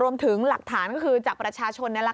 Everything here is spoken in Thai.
รวมถึงหลักฐานก็คือจากประชาชน